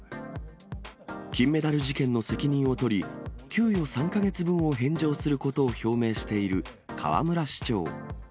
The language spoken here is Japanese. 金メダル事件の責任を取り、給与３か月分を返上することを表明している河村市長。